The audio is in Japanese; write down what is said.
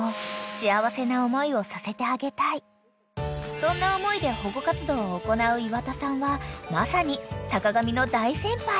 ［そんな思いで保護活動を行う岩田さんはまさに坂上の大先輩］